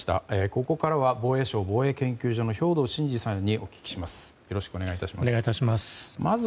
ここからは防衛省防衛研究所の兵頭慎治さんにお聞きします。